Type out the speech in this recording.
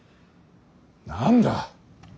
何だ。